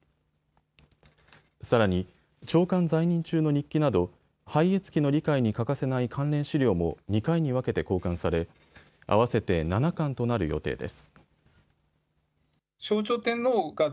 さらに長官在任中の日記など拝謁記の理解に欠かせない関連資料も２回に分けて公刊され合わせて７巻となる予定です。